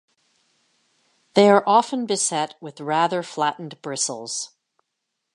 They are often beset with rather flattened bristles.